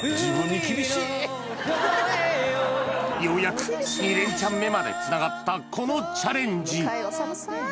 ようやく２連チャン目までつながったこのチャレンジ